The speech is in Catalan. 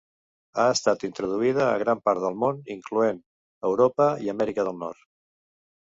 Ha estat introduïda a gran part del món incloent Europa i Amèrica del Nord.